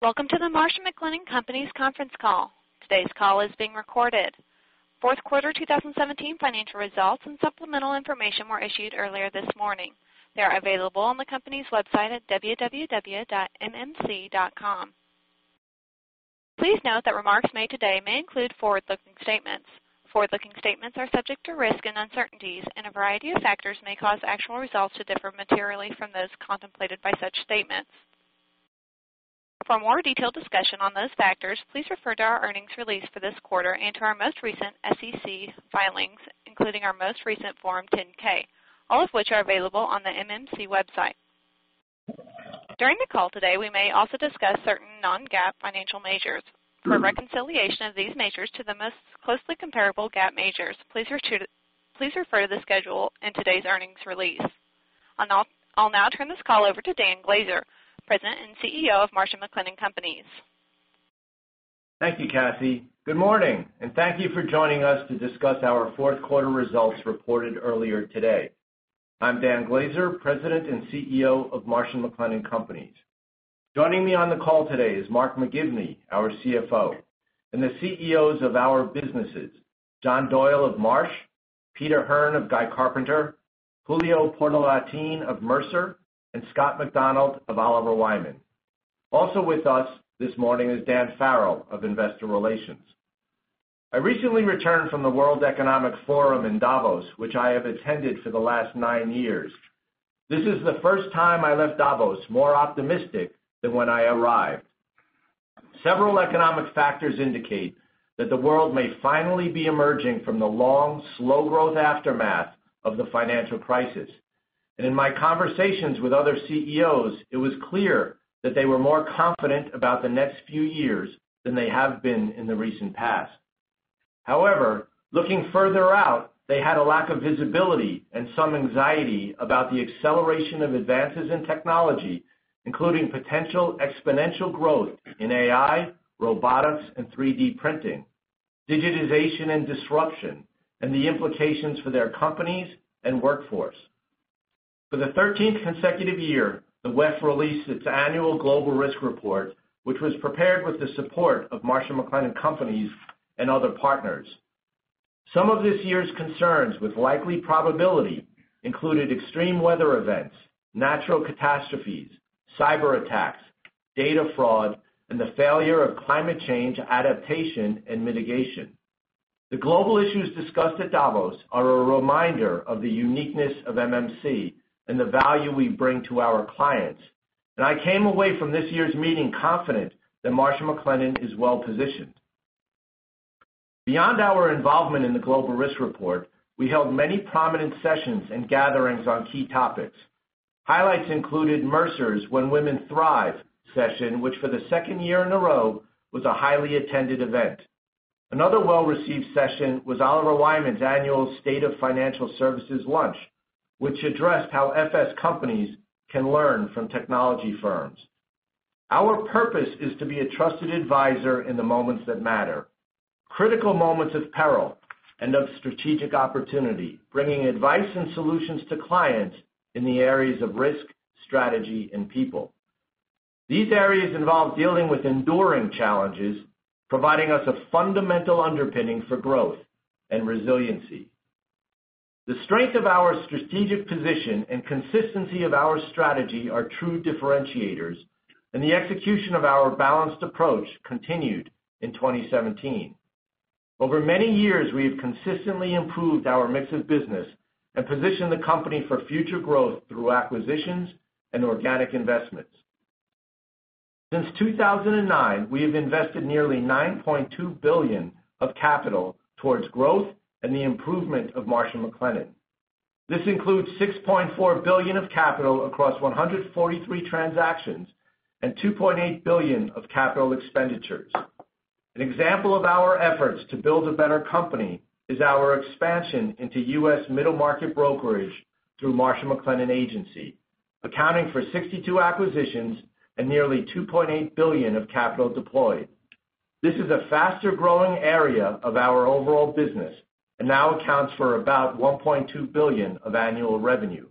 Welcome to the Marsh & McLennan Companies conference call. Today's call is being recorded. Fourth quarter 2017 financial results and supplemental information were issued earlier this morning. They are available on the company's website at www.mmc.com. Please note that remarks made today may include forward-looking statements. Forward-looking statements are subject to risk and uncertainties, and a variety of factors may cause actual results to differ materially from those contemplated by such statements. For a more detailed discussion on those factors, please refer to our earnings release for this quarter and to our most recent SEC filings, including our most recent Form 10-K, all of which are available on the MMC website. During the call today, we may also discuss certain non-GAAP financial measures. For a reconciliation of these measures to the most closely comparable GAAP measures, please refer to the schedule in today's earnings release. I'll now turn this call over to Dan Glaser, President and CEO of Marsh & McLennan Companies. Thank you, Cassie. Good morning, and thank you for joining us to discuss our fourth quarter results reported earlier today. I'm Dan Glaser, President and CEO of Marsh & McLennan Companies. Joining me on the call today is Mark McGivney, our CFO, and the CEOs of our businesses, John Doyle of Marsh, Peter Hearn of Guy Carpenter, Julio Portalatin of Mercer, and Scott MacDonald of Oliver Wyman. Also with us this morning is Dan Farrell of Investor Relations. I recently returned from the World Economic Forum in Davos, which I have attended for the last nine years. This is the first time I left Davos more optimistic than when I arrived. Several economic factors indicate that the world may finally be emerging from the long, slow growth aftermath of the financial crisis. In my conversations with other CEOs, it was clear that they were more confident about the next few years than they have been in the recent past. However, looking further out, they had a lack of visibility and some anxiety about the acceleration of advances in technology, including potential exponential growth in AI, robotics, and 3D printing, digitization and disruption, and the implications for their companies and workforce. For the 13th consecutive year, the WEF released its annual Global Risks Report, which was prepared with the support of Marsh & McLennan Companies and other partners. Some of this year's concerns with likely probability included extreme weather events, natural catastrophes, cyberattacks, data fraud, and the failure of climate change adaptation and mitigation. The global issues discussed at Davos are a reminder of the uniqueness of MMC and the value we bring to our clients. I came away from this year's meeting confident that Marsh & McLennan is well-positioned. Beyond our involvement in the Global Risks Report, we held many prominent sessions and gatherings on key topics. Highlights included Mercer's When Women Thrive session, which for the second year in a row was a highly attended event. Another well-received session was Oliver Wyman's annual State of Financial Services lunch, which addressed how FS companies can learn from technology firms. Our purpose is to be a trusted advisor in the moments that matter, critical moments of peril and of strategic opportunity, bringing advice and solutions to clients in the areas of risk, strategy, and people. These areas involve dealing with enduring challenges, providing us a fundamental underpinning for growth and resiliency. The strength of our strategic position and consistency of our strategy are true differentiators, and the execution of our balanced approach continued in 2017. Over many years, we have consistently improved our mix of business and positioned the company for future growth through acquisitions and organic investments. Since 2009, we have invested nearly $9.2 billion of capital towards growth and the improvement of Marsh & McLennan. This includes $6.4 billion of capital across 143 transactions and $2.8 billion of capital expenditures. An example of our efforts to build a better company is our expansion into U.S. middle market brokerage through Marsh & McLennan Agency, accounting for 62 acquisitions and nearly $2.8 billion of capital deployed. This is a faster-growing area of our overall business and now accounts for about $1.2 billion of annual revenue.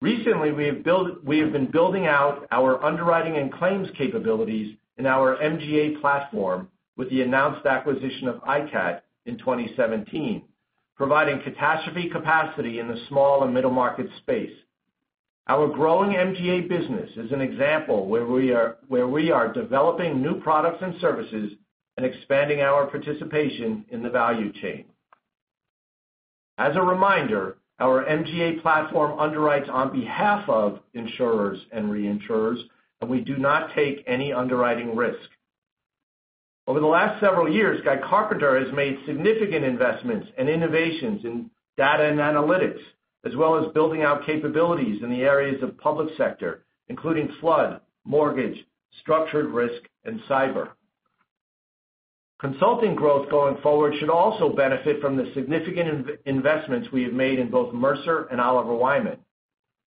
Recently, we have been building out our underwriting and claims capabilities in our MGA platform with the announced acquisition of ICAT in 2017, providing catastrophe capacity in the small and middle market space. Our growing MGA business is an example where we are developing new products and services and expanding our participation in the value chain. As a reminder, our MGA platform underwrites on behalf of insurers and reinsurers, and we do not take any underwriting risk. Over the last several years, Guy Carpenter has made significant investments and innovations in data and analytics, as well as building out capabilities in the areas of public sector, including flood, mortgage, structured risk, and cyber. Consulting growth going forward should also benefit from the significant investments we have made in both Mercer and Oliver Wyman.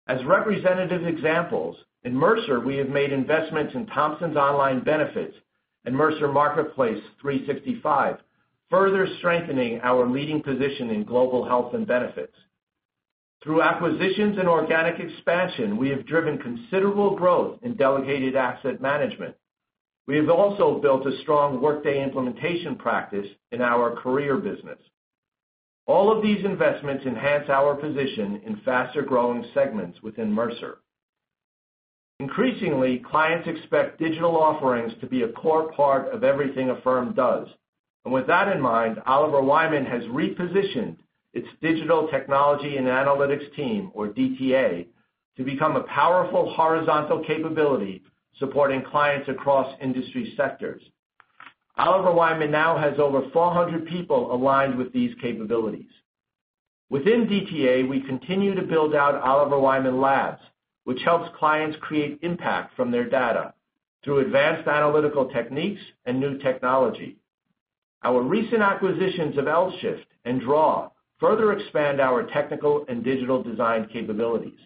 As representative examples, in Mercer, we have made investments in Thomsons Online Benefits and Mercer Marketplace 365, further strengthening our leading position in global health and benefits. Through acquisitions and organic expansion, we have driven considerable growth in delegated asset management. We have also built a strong Workday implementation practice in our career business. All of these investments enhance our position in faster-growing segments within Mercer. Increasingly, clients expect digital offerings to be a core part of everything a firm does. With that in mind, Oliver Wyman has repositioned its digital technology and analytics team, or DTA, to become a powerful horizontal capability supporting clients across industry sectors. Oliver Wyman now has over 400 people aligned with these capabilities. Within DTA, we continue to build out Oliver Wyman Labs, which helps clients create impact from their data through advanced analytical techniques and new technology. Our recent acquisitions of LShift and Draw further expand our technical and digital design capabilities.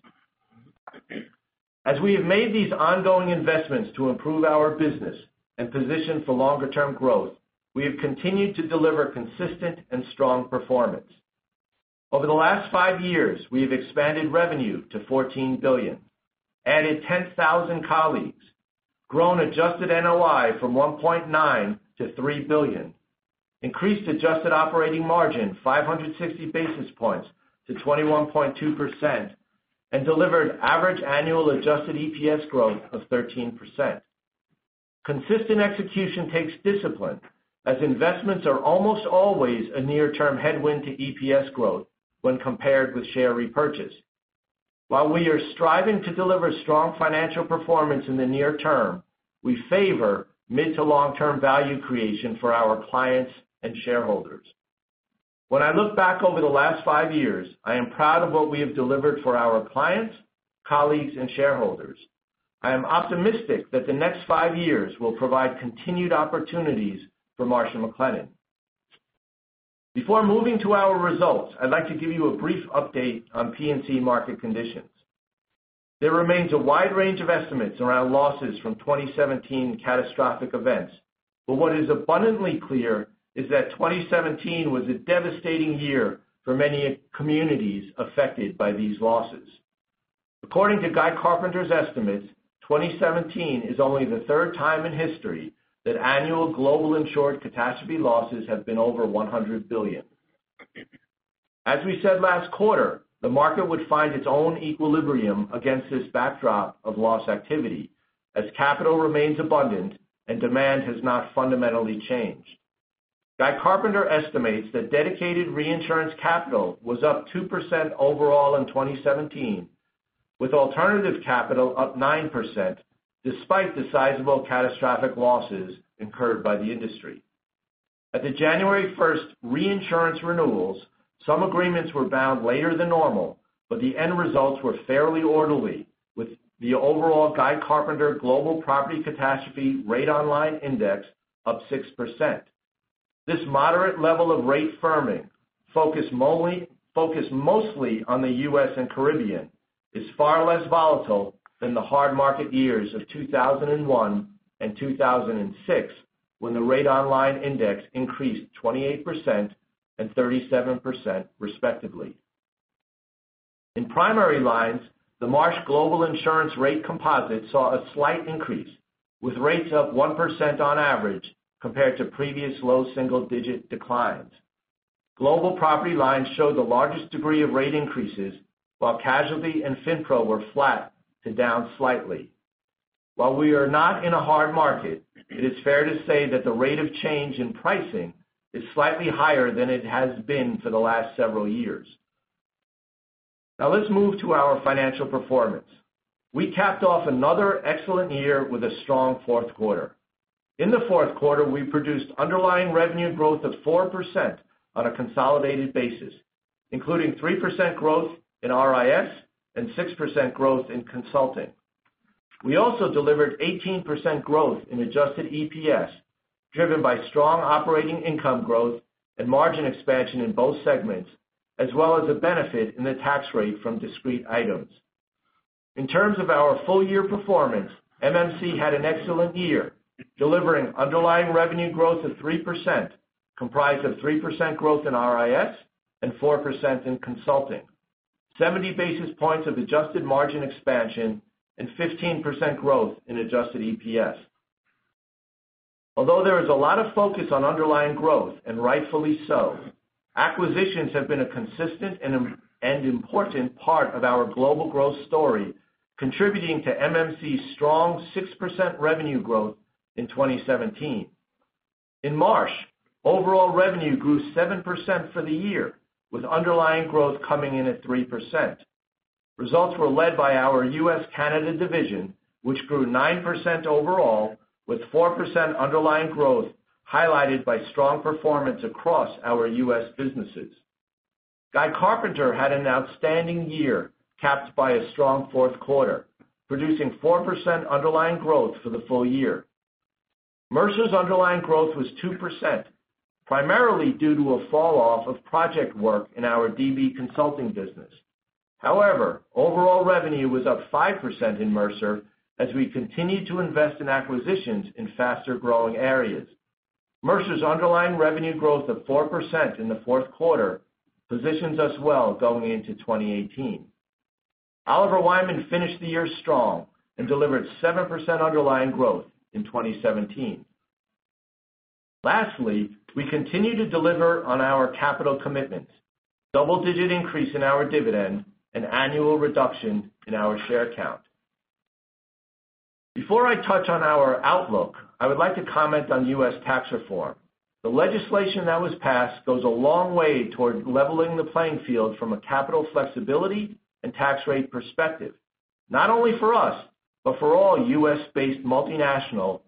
As we have made these ongoing investments to improve our business and position for longer-term growth, we have continued to deliver consistent and strong performance. Over the last five years, we have expanded revenue to $14 billion, added 10,000 colleagues, grown adjusted NOI from $1.9 billion-$3 billion, increased adjusted operating margin 560 basis points to 21.2%, and delivered average annual adjusted EPS growth of 13%. Consistent execution takes discipline, as investments are almost always a near-term headwind to EPS growth when compared with share repurchase. While we are striving to deliver strong financial performance in the near term, we favor mid to long-term value creation for our clients and shareholders. When I look back over the last five years, I am proud of what we have delivered for our clients, colleagues, and shareholders. I am optimistic that the next five years will provide continued opportunities for Marsh & McLennan. Before moving to our results, I'd like to give you a brief update on P&C market conditions. There remains a wide range of estimates around losses from 2017 catastrophic events, but what is abundantly clear is that 2017 was a devastating year for many communities affected by these losses. According to Guy Carpenter's estimates, 2017 is only the third time in history that annual global insured catastrophe losses have been over $100 billion. As we said last quarter, the market would find its own equilibrium against this backdrop of loss activity as capital remains abundant and demand has not fundamentally changed. Guy Carpenter estimates that dedicated reinsurance capital was up 2% overall in 2017, with alternative capital up 9%, despite the sizable catastrophic losses incurred by the industry. At the January 1st reinsurance renewals, some agreements were bound later than normal, but the end results were fairly orderly, with the overall Guy Carpenter Global Property Catastrophe Rate-on-Line Index up 6%. This moderate level of rate firming, focused mostly on the U.S. and Caribbean, is far less volatile than the hard market years of 2001 and 2006, when the Rate-on-Line Index increased 28% and 37% respectively. In primary lines, the Marsh global insurance rate composite saw a slight increase, with rates up 1% on average compared to previous low single-digit declines. Global property lines showed the largest degree of rate increases, while casualty and FINPRO were flat to down slightly. While we are not in a hard market, it is fair to say that the rate of change in pricing is slightly higher than it has been for the last several years. Now let's move to our financial performance. We capped off another excellent year with a strong fourth quarter. In the fourth quarter, we produced underlying revenue growth of 4% on a consolidated basis, including 3% growth in RIS and 6% in consulting. We also delivered 18% growth in adjusted EPS, driven by strong operating income growth and margin expansion in both segments, as well as a benefit in the tax rate from discrete items. In terms of our full year performance, MMC had an excellent year, delivering underlying revenue growth of 3%, comprised of 3% growth in RIS and 4% in consulting, 70 basis points of adjusted margin expansion, and 15% growth in adjusted EPS. Rightfully so, acquisitions have been a consistent and important part of our global growth story, contributing to MMC's strong 6% revenue growth in 2017. In Marsh, overall revenue grew 7% for the year, with underlying growth coming in at 3%. Results were led by our U.S.-Canada division, which grew 9% overall, with 4% underlying growth highlighted by strong performance across our U.S. businesses. Guy Carpenter had an outstanding year capped by a strong fourth quarter, producing 4% underlying growth for the full year. Mercer's underlying growth was 2%, primarily due to a fall off of project work in our DB consulting business. However, overall revenue was up 5% in Mercer as we continued to invest in acquisitions in faster-growing areas. Mercer's underlying revenue growth of 4% in the fourth quarter positions us well going into 2018. Oliver Wyman finished the year strong and delivered 7% underlying growth in 2017. Lastly, we continue to deliver on our capital commitments, double-digit increase in our dividend, and annual reduction in our share count. Before I touch on our outlook, I would like to comment on U.S. tax reform. The legislation that was passed goes a long way toward leveling the playing field from a capital flexibility and tax rate perspective, not only for us, but for all U.S.-based multinationals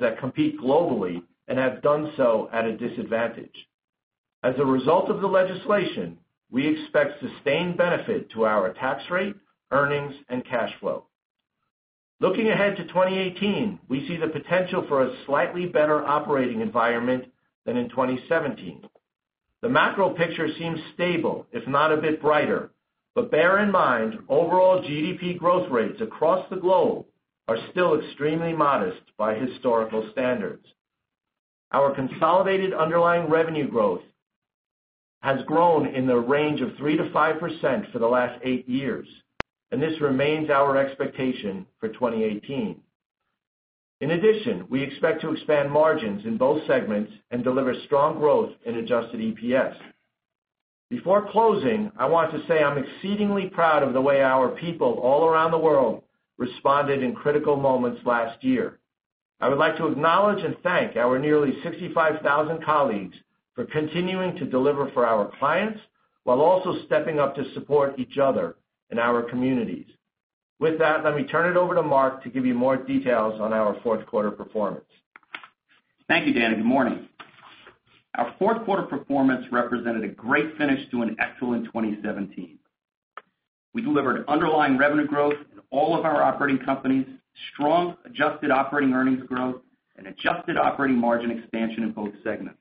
that compete globally and have done so at a disadvantage. As a result of the legislation, we expect sustained benefit to our tax rate, earnings, and cash flow. Looking ahead to 2018, we see the potential for a slightly better operating environment than in 2017. The macro picture seems stable, if not a bit brighter. Bear in mind, overall GDP growth rates across the globe are still extremely modest by historical standards. Our consolidated underlying revenue growth has grown in the range of 3%-5% for the last eight years, and this remains our expectation for 2018. In addition, we expect to expand margins in both segments and deliver strong growth in adjusted EPS. Before closing, I want to say I'm exceedingly proud of the way our people all around the world responded in critical moments last year. I would like to acknowledge and thank our nearly 65,000 colleagues for continuing to deliver for our clients, while also stepping up to support each other and our communities. With that, let me turn it over to Mark to give you more details on our fourth quarter performance. Thank you, Dan. Good morning. Our fourth quarter performance represented a great finish to an excellent 2017. We delivered underlying revenue growth in all of our operating companies, strong adjusted operating earnings growth, and adjusted operating margin expansion in both segments.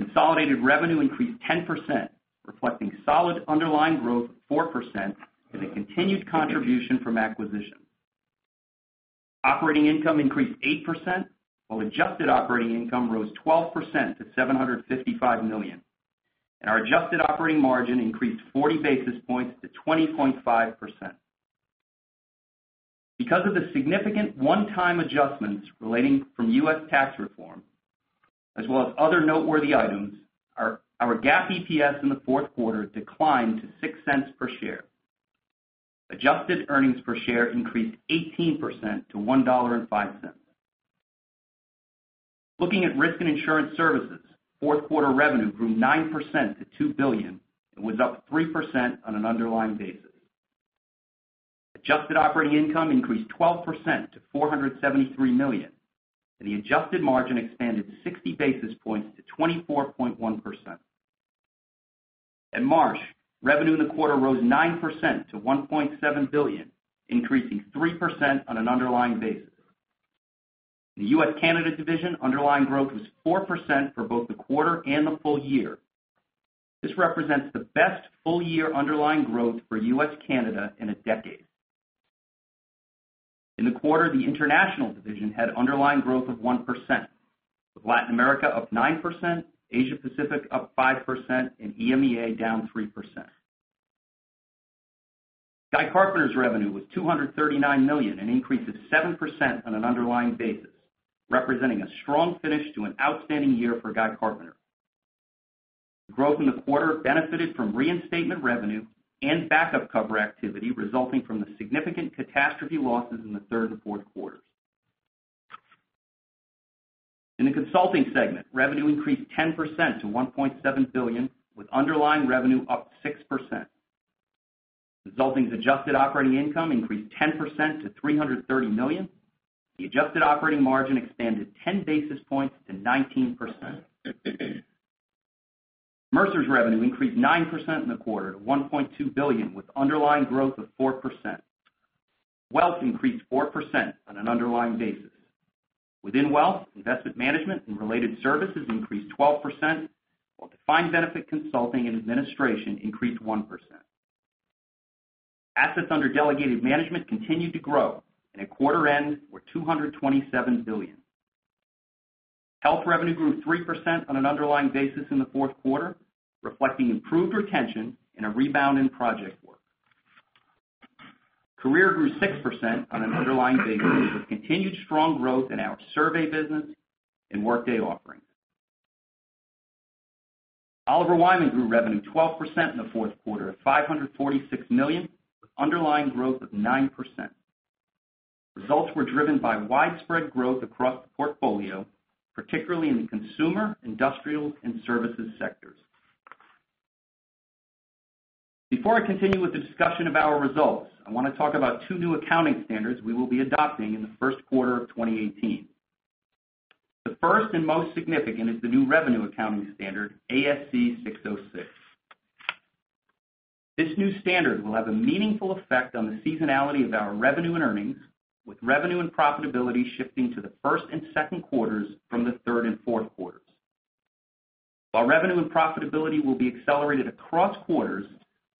Consolidated revenue increased 10%, reflecting solid underlying growth of 4% and a continued contribution from acquisitions. Operating income increased 8%, while adjusted operating income rose 12% to $755 million, and our adjusted operating margin increased 40 basis points to 20.5%. Because of the significant one-time adjustments relating from U.S. tax reform, as well as other noteworthy items, our GAAP EPS in the fourth quarter declined to $0.06 per share. Adjusted earnings per share increased 18% to $1.05. Looking at Risk and Insurance Services, fourth-quarter revenue grew 9% to $2 billion and was up 3% on an underlying basis. Adjusted operating income increased 12% to $473 million. The adjusted margin expanded 60 basis points to 24.1%. At Marsh, revenue in the quarter rose 9% to $1.7 billion, increasing 3% on an underlying basis. In the U.S./Canada division, underlying growth was 4% for both the quarter and the full year. This represents the best full-year underlying growth for U.S./Canada in a decade. In the quarter, the international division had underlying growth of 1%, with Latin America up 9%, Asia Pacific up 5%, and EMEA down 3%. Guy Carpenter's revenue was $239 million, an increase of 7% on an underlying basis, representing a strong finish to an outstanding year for Guy Carpenter. Growth in the quarter benefited from reinstatement revenue and backup cover activity resulting from the significant catastrophe losses in the third and fourth quarters. In the Consulting segment, revenue increased 10% to $1.7 billion, with underlying revenue up 6%. Consulting's adjusted operating income increased 10% to $330 million. The adjusted operating margin expanded 10 basis points to 19%. Mercer's revenue increased 9% in the quarter to $1.2 billion, with underlying growth of 4%. Wealth increased 4% on an underlying basis. Within Wealth, investment management and related services increased 12%, while defined benefit consulting and administration increased 1%. Assets under delegated management continued to grow and at quarter-end were $227 billion. Health revenue grew 3% on an underlying basis in the fourth quarter, reflecting improved retention and a rebound in project work. Career grew 6% on an underlying basis with continued strong growth in our survey business and Workday offerings. Oliver Wyman grew revenue 12% in the fourth quarter to $546 million, with underlying growth of 9%. Results were driven by widespread growth across the portfolio, particularly in the consumer, industrial, and services sectors. Before I continue with the discussion of our results, I want to talk about two new accounting standards we will be adopting in the first quarter of 2018. The first and most significant is the new revenue accounting standard, ASC 606. This new standard will have a meaningful effect on the seasonality of our revenue and earnings, with revenue and profitability shifting to the first and second quarters from the third and fourth quarters. While revenue and profitability will be accelerated across quarters,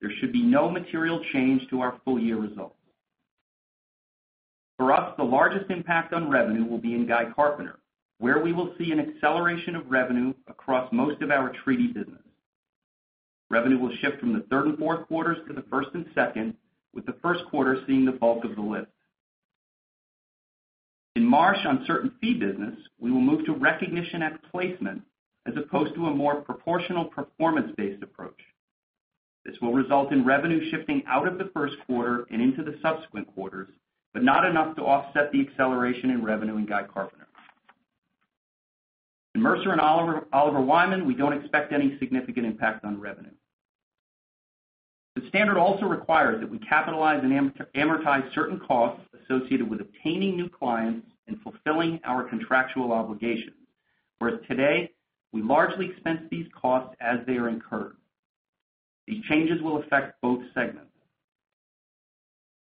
there should be no material change to our full-year results. For us, the largest impact on revenue will be in Guy Carpenter, where we will see an acceleration of revenue across most of our treaty business. Revenue will shift from the third and fourth quarters to the first and second, with the first quarter seeing the bulk of the lift. In Marsh, on certain fee business, we will move to recognition at placement as opposed to a more proportional performance-based approach. This will result in revenue shifting out of the first quarter and into the subsequent quarters, but not enough to offset the acceleration in revenue in Guy Carpenter. In Mercer and Oliver Wyman, we don't expect any significant impact on revenue. The standard also requires that we capitalize and amortize certain costs associated with obtaining new clients and fulfilling our contractual obligations. Whereas today, we largely expense these costs as they are incurred. These changes will affect both segments.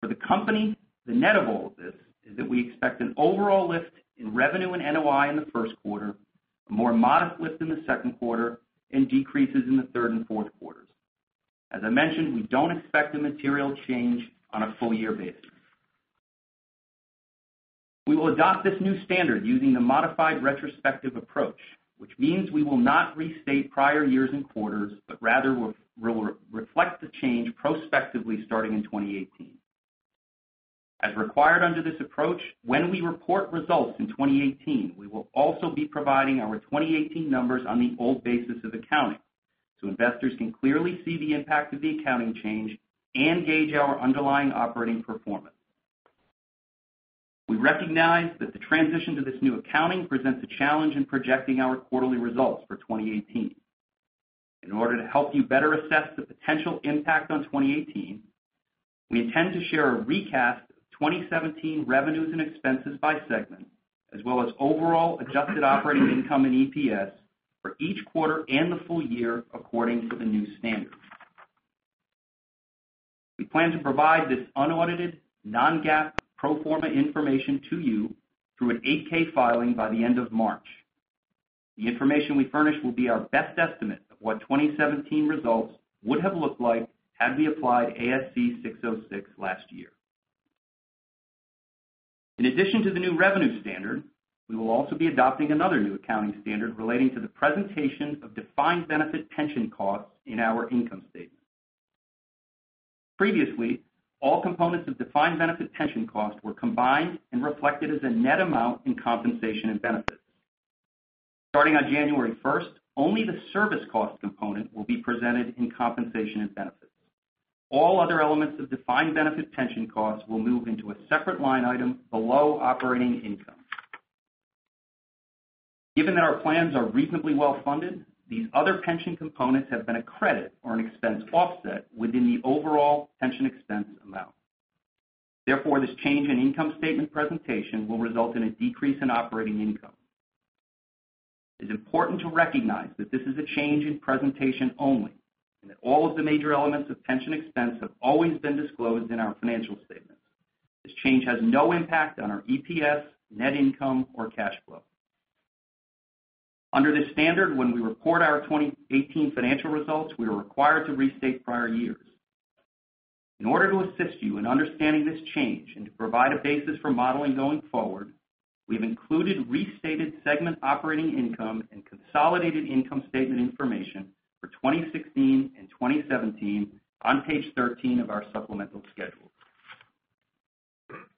For the company, the net of all of this is that we expect an overall lift in revenue and NOI in the first quarter, a more modest lift in the second quarter, and decreases in the third and fourth quarters. As I mentioned, we don't expect a material change on a full-year basis. We will adopt this new standard using a modified retrospective approach, which means we will not restate prior years and quarters, but rather reflect the change prospectively starting in 2018. As required under this approach, when we report results in 2018, we will also be providing our 2018 numbers on the old basis of accounting, so investors can clearly see the impact of the accounting change and gauge our underlying operating performance. We recognize that the transition to this new accounting presents a challenge in projecting our quarterly results for 2018. In order to help you better assess the potential impact on 2018, we intend to share a recast of 2017 revenues and expenses by segment, as well as overall adjusted operating income and EPS for each quarter and the full year according to the new standard. We plan to provide this unaudited, non-GAAP, pro forma information to you through an 8-K filing by the end of March. The information we furnish will be our best estimate of what 2017 results would have looked like had we applied ASC 606 last year. In addition to the new revenue standard, we will also be adopting another new accounting standard relating to the presentation of defined benefit pension costs in our income statement. Previously, all components of defined benefit pension costs were combined and reflected as a net amount in compensation and benefits. Starting on January 1st, only the service cost component will be presented in compensation and benefits. All other elements of defined benefit pension costs will move into a separate line item below operating income. Given that our plans are reasonably well-funded, these other pension components have been a credit or an expense offset within the overall pension expense amount. This change in income statement presentation will result in a decrease in operating income. It's important to recognize that this is a change in presentation only, and that all of the major elements of pension expense have always been disclosed in our financial statements. This change has no impact on our EPS, net income or cash flow. Under this standard, when we report our 2018 financial results, we are required to restate prior years. In order to assist you in understanding this change and to provide a basis for modeling going forward, we've included restated segment operating income and consolidated income statement information for 2016 and 2017 on page 13 of our supplemental schedule.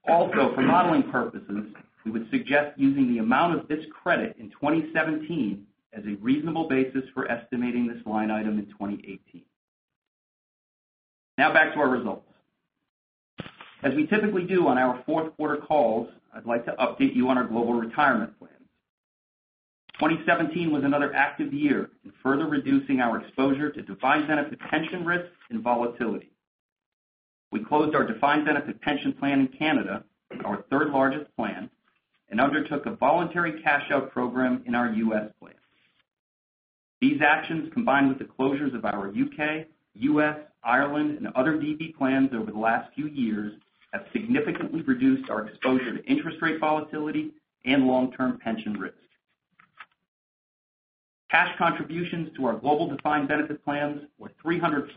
For modeling purposes, we would suggest using the amount of this credit in 2017 as a reasonable basis for estimating this line item in 2018. Back to our results. As we typically do on our fourth quarter calls, I'd like to update you on our global retirement plans. 2017 was another active year in further reducing our exposure to defined benefit pension risks and volatility. We closed our defined benefit pension plan in Canada, our third largest plan, and undertook a voluntary cash out program in our U.S. plan. These actions, combined with the closures of our U.K., U.S., Ireland, and other DB plans over the last few years, have significantly reduced our exposure to interest rate volatility and long-term pension risk. Cash contributions to our global defined benefit plans were $314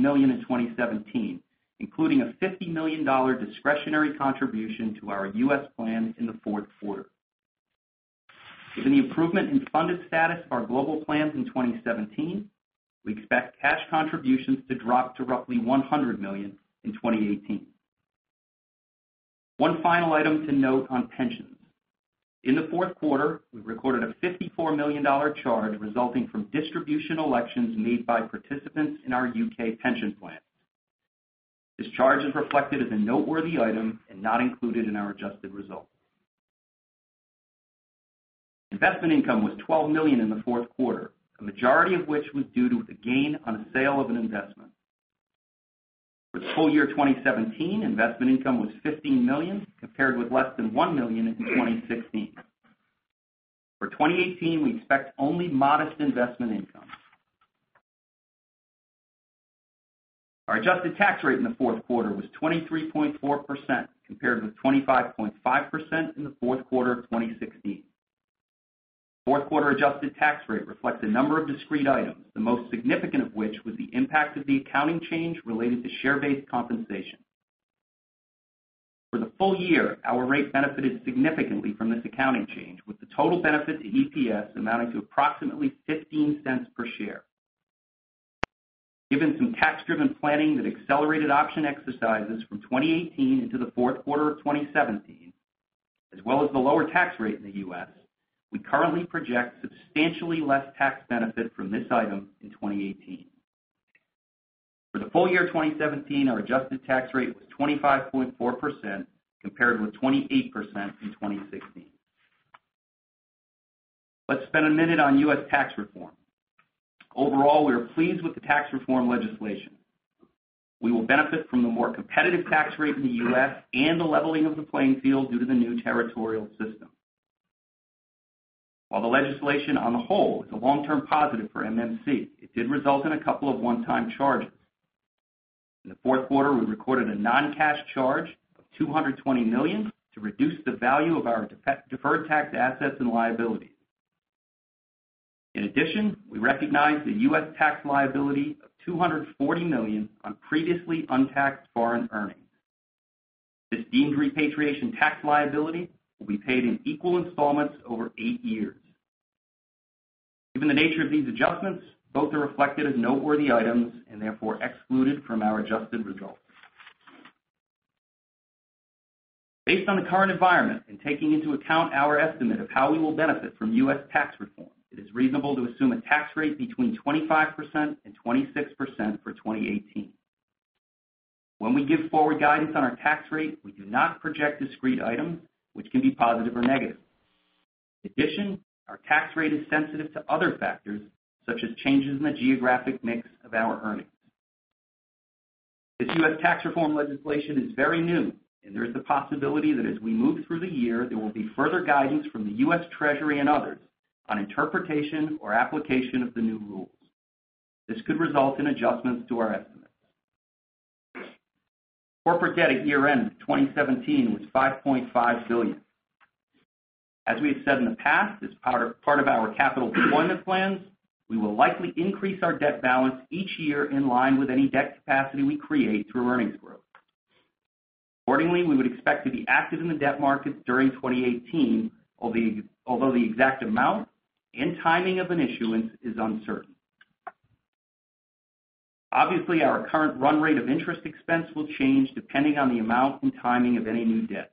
million in 2017, including a $50 million discretionary contribution to our U.S. plan in the fourth quarter. Given the improvement in funded status of our global plans in 2017, we expect cash contributions to drop to roughly $100 million in 2018. One final item to note on pensions. In the fourth quarter, we recorded a $54 million charge resulting from distribution elections made by participants in our U.K. pension plan. This charge is reflected as a noteworthy item and not included in our adjusted results. Investment income was $12 million in the fourth quarter, the majority of which was due to a gain on the sale of an investment. For the full year 2017, investment income was $15 million, compared with less than $1 million in 2016. For 2018, we expect only modest investment income. Our adjusted tax rate in the fourth quarter was 23.4%, compared with 25.5% in the fourth quarter of 2016. Fourth quarter adjusted tax rate reflects a number of discrete items, the most significant of which was the impact of the accounting change related to share-based compensation. For the full year, our rate benefited significantly from this accounting change, with the total benefit to EPS amounting to approximately $0.15 per share. Given some tax-driven planning that accelerated option exercises from 2018 into the fourth quarter of 2017, as well as the lower tax rate in the U.S., we currently project substantially less tax benefit from this item in 2018. For the full year 2017, our adjusted tax rate was 25.4%, compared with 28% in 2016. Let's spend a minute on U.S. tax reform. Overall, we are pleased with the tax reform legislation. We will benefit from the more competitive tax rate in the U.S. and the leveling of the playing field due to the new territorial system. While the legislation on the whole is a long-term positive for MMC, it did result in a couple of one-time charges. In the fourth quarter, we recorded a non-cash charge of $220 million to reduce the value of our deferred tax assets and liabilities. In addition, we recognized a U.S. tax liability of $240 million on previously untaxed foreign earnings. This deemed repatriation tax liability will be paid in equal installments over eight years. Given the nature of these adjustments, both are reflected as noteworthy items and therefore excluded from our adjusted results. Based on the current environment and taking into account our estimate of how we will benefit from U.S. tax reform, it is reasonable to assume a tax rate between 25% and 26% for 2018. In addition, our tax rate is sensitive to other factors, such as changes in the geographic mix of our earnings. This U.S. tax reform legislation is very new, and there is the possibility that as we move through the year, there will be further guidance from the U.S. Treasury and others on interpretation or application of the new rules. This could result in adjustments to our estimates. Corporate debt at year-end of 2017 was $5.5 billion. As we have said in the past, as part of our capital deployment plans, we will likely increase our debt balance each year in line with any debt capacity we create through earnings growth. Accordingly, we would expect to be active in the debt markets during 2018, although the exact amount and timing of an issuance is uncertain. Obviously, our current run rate of interest expense will change depending on the amount and timing of any new debt.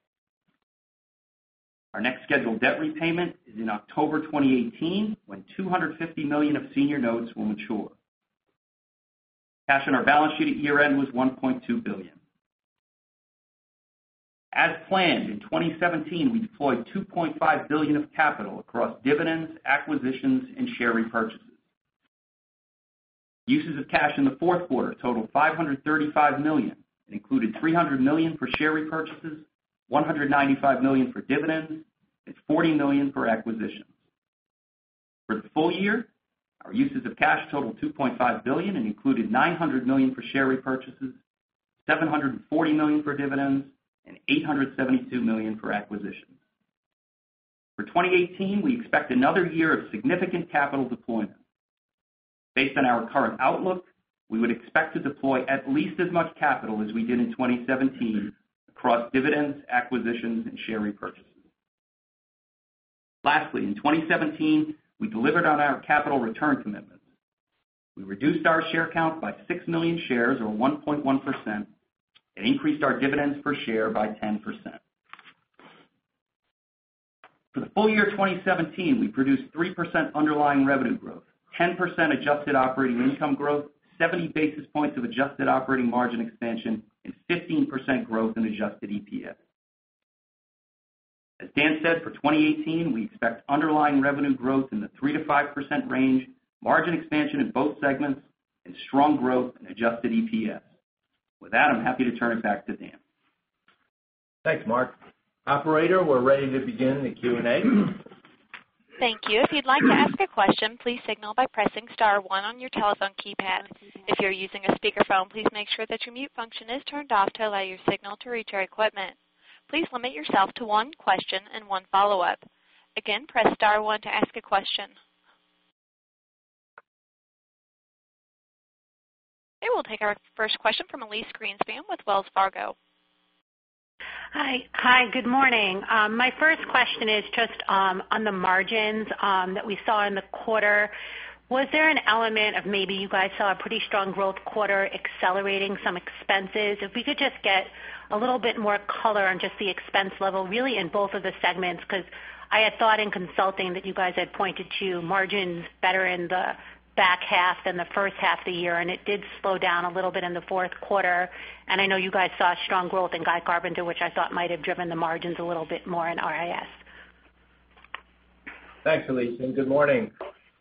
Our next scheduled debt repayment is in October 2018, when $250 million of senior notes will mature. Cash on our balance sheet at year-end was $1.2 billion. As planned, in 2017, we deployed $2.5 billion of capital across dividends, acquisitions, and share repurchases. Uses of cash in the fourth quarter totaled $535 million and included $300 million for share repurchases, $195 million for dividends, and $40 million for acquisitions. For the full year, our uses of cash totaled $2.5 billion and included $900 million for share repurchases, $740 million for dividends, and $872 million for acquisitions. For 2018, we expect another year of significant capital deployment. Based on our current outlook, we would expect to deploy at least as much capital as we did in 2017 across dividends, acquisitions, and share repurchases. Lastly, in 2017, we delivered on our capital return commitments. We reduced our share count by 6 million shares or 1.1% and increased our dividends per share by 10%. For the full year 2017, we produced 3% underlying revenue growth, 10% adjusted operating income growth, 70 basis points of adjusted operating margin expansion, and 15% growth in adjusted EPS. As Dan said, for 2018, we expect underlying revenue growth in the 3%-5% range, margin expansion in both segments, and strong growth in adjusted EPS. With that, I'm happy to turn it back to Dan. Thanks, Mark. Operator, we're ready to begin the Q&A. Thank you. If you'd like to ask a question, please signal by pressing *1 on your telephone keypad. If you're using a speakerphone, please make sure that your mute function is turned off to allow your signal to reach our equipment. Please limit yourself to one question and one follow-up. Again, press *1 to ask a question. We'll take our first question from Elyse Greenspan with Wells Fargo. Hi. Good morning. My first question is just on the margins that we saw in the quarter. Was there an element of maybe you guys saw a pretty strong growth quarter accelerating some expenses? If we could just get a little bit more color on just the expense level, really in both of the segments, because I had thought in consulting that you guys had pointed to margins better in the back half than the first half of the year, and it did slow down a little bit in the fourth quarter. I know you guys saw strong growth in Guy Carpenter, which I thought might have driven the margins a little bit more in RIS. Thanks, Elyse, good morning.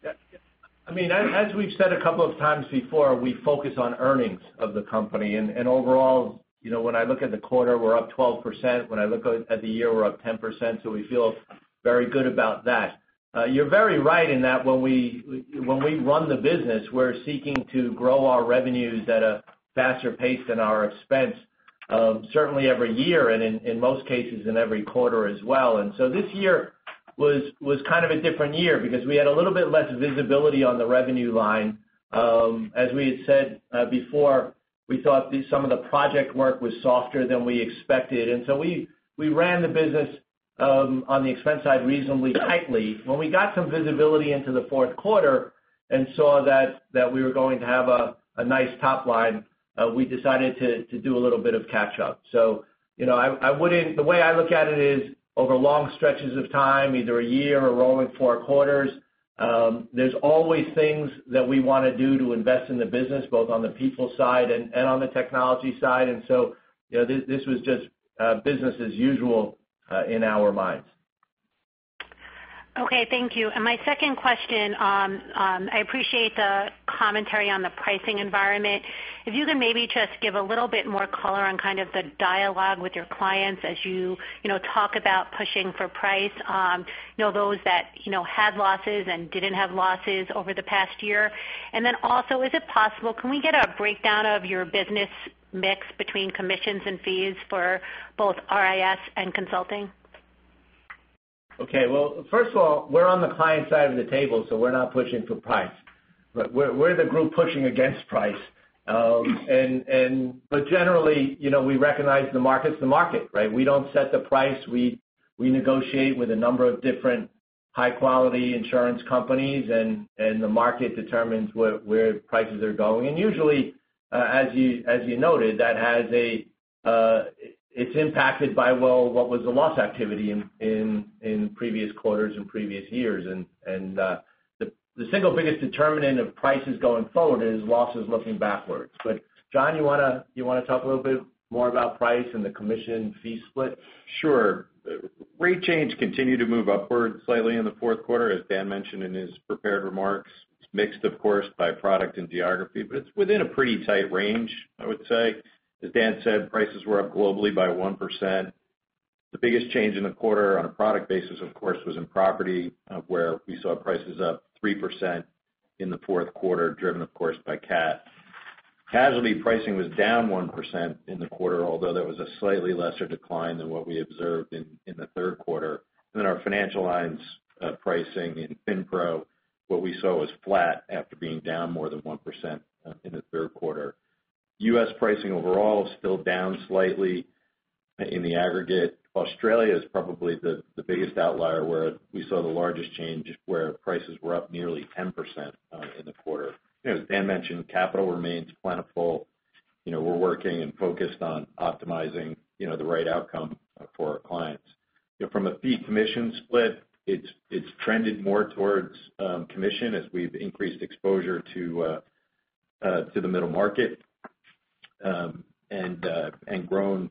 As we've said a couple of times before, we focus on earnings of the company. Overall, when I look at the quarter, we're up 12%. When I look at the year, we're up 10%, we feel very good about that. You're very right in that when we run the business, we're seeking to grow our revenues at a faster pace than our expense, certainly every year and in most cases in every quarter as well. This year was kind of a different year because we had a little bit less visibility on the revenue line. As we had said before, we thought some of the project work was softer than we expected, we ran the business on the expense side reasonably tightly. When we got some visibility into the fourth quarter and saw that we were going to have a nice top line, we decided to do a little bit of catch-up. The way I look at it is over long stretches of time, either a year or rolling 4 quarters, there's always things that we want to do to invest in the business, both on the people side and on the technology side. This was just business as usual in our minds. Okay, thank you. My second question, I appreciate the commentary on the pricing environment. If you can maybe just give a little bit more color on kind of the dialogue with your clients as you talk about pushing for price on those that had losses and didn't have losses over the past year. Is it possible, can we get a breakdown of your business mix between commissions and fees for both RIS and consulting? Okay. Well, first of all, we're on the client side of the table, we're not pushing for price. We're the group pushing against price. Generally, we recognize the market's the market, right? We don't set the price. We negotiate with a number of different high-quality insurance companies, the market determines where prices are going. Usually, as you noted, it's impacted by, well, what was the loss activity in previous quarters and previous years. The single biggest determinant of prices going forward is losses looking backwards. John, you want to talk a little bit more about price and the commission fee split? Sure. Rate change continued to move upward slightly in the fourth quarter, as Dan mentioned in his prepared remarks. It's mixed, of course, by product and geography, it's within a pretty tight range, I would say. As Dan said, prices were up globally by 1%. The biggest change in the quarter on a product basis, of course, was in property, where we saw prices up 3% in the fourth quarter, driven of course by cat. Casualty pricing was down 1% in the quarter, although there was a slightly lesser decline than what we observed in the third quarter. Our financial lines pricing in FINPRO, what we saw was flat after being down more than 1% in the third quarter. U.S. pricing overall is still down slightly in the aggregate. Australia is probably the biggest outlier, where we saw the largest change, where prices were up nearly 10% in the quarter. As Dan mentioned, capital remains plentiful. We're working and focused on optimizing the right outcome for our clients. From a fee commission split, it's trended more towards commission as we've increased exposure to the middle market, grown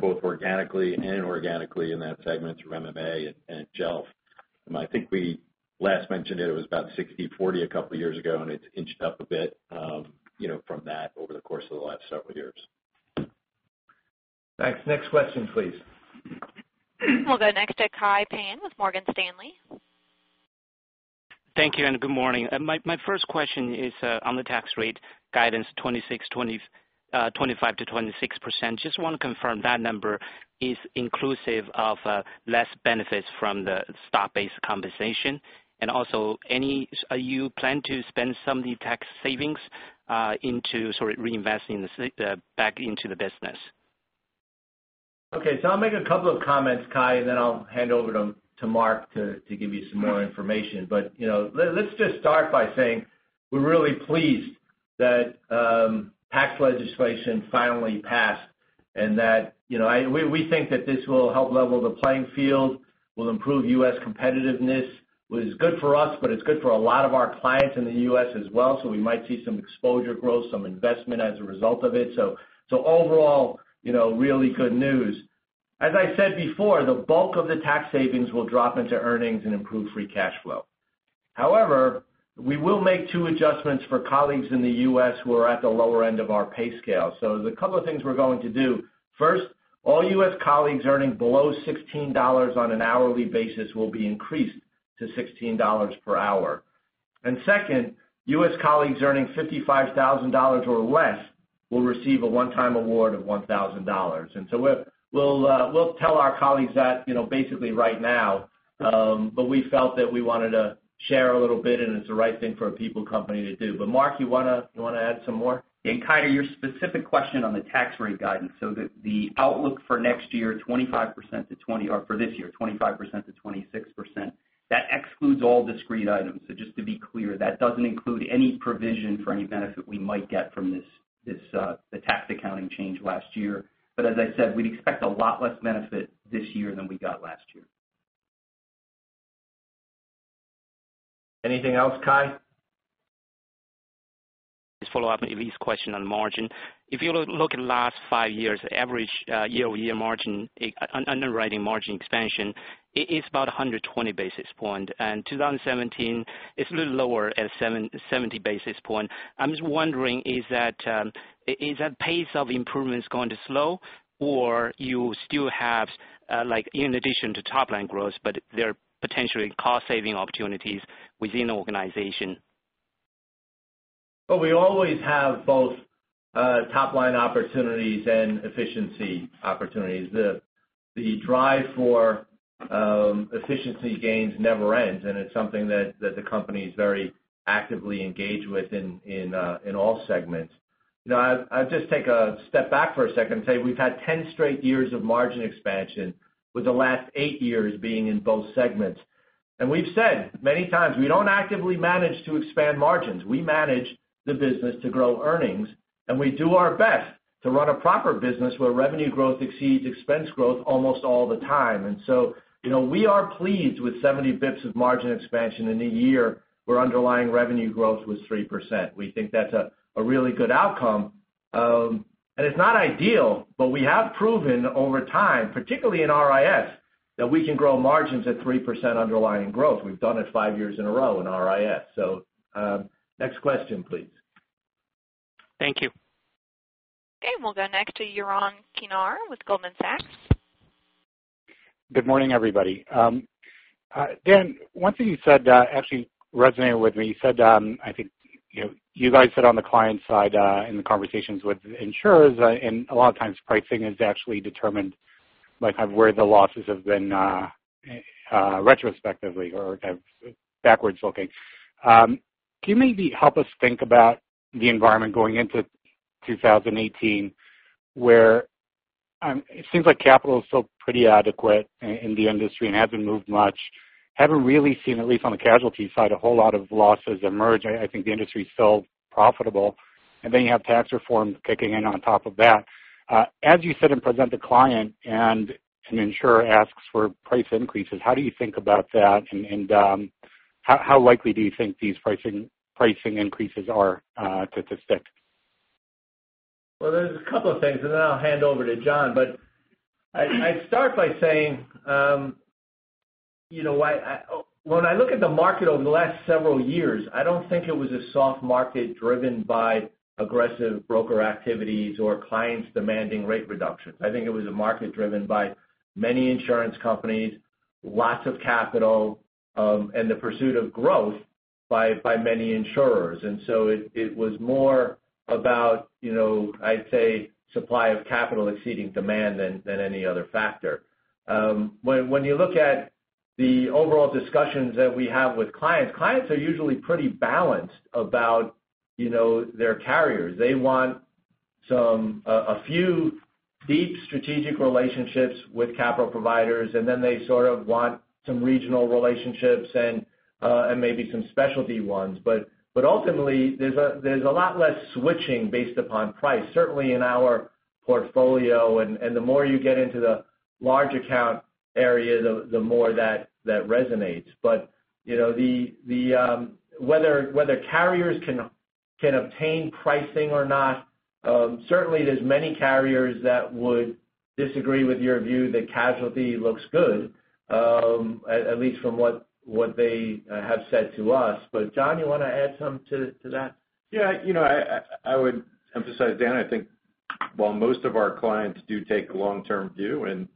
both organically and inorganically in that segment through MMA and Jelf. I think we last mentioned it was about 60/40 a couple of years ago, it's inched up a bit from that over the course of the last several years. Thanks. Next question, please. We'll go next to Kai Pan with Morgan Stanley. Thank you, and good morning. My first question is on the tax rate guidance, 25%-26%. Just want to confirm that number is inclusive of less benefits from the stock-based compensation? Are you planning to spend some of the tax savings into sort of reinvesting back into the business? Okay. I'll make a couple of comments, Kai, and then I'll hand over to Mark to give you some more information. Let's just start by saying we're really pleased that tax legislation finally passed, and we think that this will help level the playing field, will improve U.S. competitiveness, which is good for us, but it's good for a lot of our clients in the U.S. as well. We might see some exposure growth, some investment as a result of it. Overall, really good news. As I said before, the bulk of the tax savings will drop into earnings and improve free cash flow. However, we will make two adjustments for colleagues in the U.S. who are at the lower end of our pay scale. There's a couple of things we're going to do. First, all U.S. colleagues earning below $16 on an hourly basis will be increased to $16 per hour. Second, U.S. colleagues earning $55,000 or less will receive a one-time award of $1,000. We'll tell our colleagues that basically right now, but we felt that we wanted to share a little bit, and it's the right thing for a people company to do. Mark, you want to add some more? Yeah. Kai, to your specific question on the tax rate guidance, the outlook for this year, 25%-26%, that excludes all discrete items. Just to be clear, that doesn't include any provision for any benefit we might get from the tax accounting change last year. As I said, we'd expect a lot less benefit this year than we got last year. Anything else, Kai? Just follow up maybe this question on margin. If you look at the last five years, average year-over-year margin, underwriting margin expansion, it is about 120 basis points, 2017 is a little lower at 70 basis points. I'm just wondering, is that pace of improvements going to slow? You still have, in addition to top-line growth, but there are potentially cost-saving opportunities within the organization? Well, we always have both top-line opportunities and efficiency opportunities. The drive for efficiency gains never ends, and it's something that the company is very actively engaged with in all segments. I'll just take a step back for a second and say we've had 10 straight years of margin expansion, with the last eight years being in both segments. We've said many times, we don't actively manage to expand margins. We manage the business to grow earnings, and we do our best to run a proper business where revenue growth exceeds expense growth almost all the time. We are pleased with 70 basis points of margin expansion in a year where underlying revenue growth was 3%. We think that's a really good outcome. It's not ideal, but we have proven over time, particularly in RIS, that we can grow margins at 3% underlying growth. We've done it five years in a row in RIS. Next question, please. Thank you. Okay. We'll go next to Yaron Kinar with Goldman Sachs. Good morning, everybody. Dan, one thing you said actually resonated with me. You said, I think you guys sit on the client side in the conversations with insurers, and a lot of times pricing is actually determined, like where the losses have been retrospectively or backwards looking. Can you maybe help us think about the environment going into 2018, where it seems like capital is still pretty adequate in the industry and hasn't moved much? Haven't really seen, at least on the casualty side, a whole lot of losses emerge. I think the industry is still profitable. You have tax reform kicking in on top of that. As you sit and present the client and an insurer asks for price increases, how do you think about that, and how likely do you think these pricing increases are to stick? There's a couple of things, and then I'll hand over to John. I'd start by saying, when I look at the market over the last several years, I don't think it was a soft market driven by aggressive broker activities or clients demanding rate reductions. I think it was a market driven by many insurance companies, lots of capital, and the pursuit of growth by many insurers. It was more about, I'd say, supply of capital exceeding demand than any other factor. When you look at the overall discussions that we have with clients are usually pretty balanced about their carriers. They want a few deep strategic relationships with capital providers, and then they sort of want some regional relationships and maybe some specialty ones. Ultimately, there's a lot less switching based upon price, certainly in our portfolio. The more you get into the large account area, the more that resonates. Whether carriers can obtain pricing or not, certainly there's many carriers that would disagree with your view that casualty looks good, at least from what they have said to us. John, you want to add something to that? Yeah. I would emphasize, Dan, I think while most of our clients do take a long-term view, and